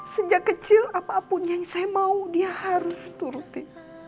sejak kecil apapun yang saya mau dia harus turuti